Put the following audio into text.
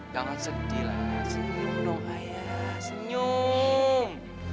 jangan sedih lah senyum dong ayah senyum